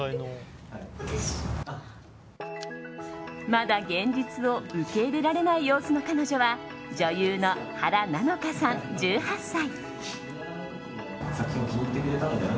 まだ現実を受け入れられない様子の彼女は女優の原菜乃華さん、１８歳。